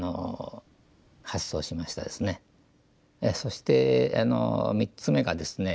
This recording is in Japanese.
そして３つ目がですね